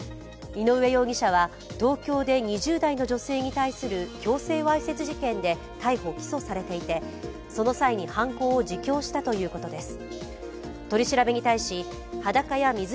井上容疑者は東京で２０代の女性に対する強制わいせつ事件で逮捕・起訴されていてその際に犯行を自供したとのことです。